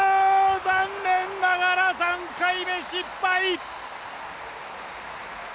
残念ながら３回目失敗！